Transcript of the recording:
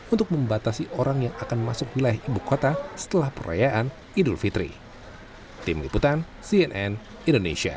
untuk membatasi orang yang akan masuk wilayah ibu kota setelah perayaan idul fitri